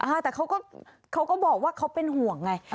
อ่าแต่เขาก็บอกว่าเขาเป็นห่วงไง